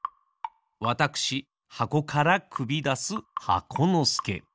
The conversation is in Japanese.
わたくしはこからくびだす箱のすけ。